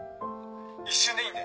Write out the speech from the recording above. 一瞬でいいんで！